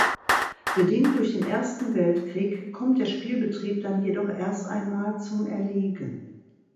Bedingt durch den Ersten Weltkrieg kommt der Spielbetrieb dann jedoch erst einmal zum Erliegen.